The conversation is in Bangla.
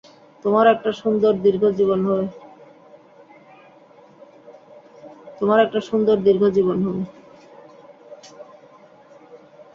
তোমার একটা সুন্দর, দীর্ঘ জীবন হবে।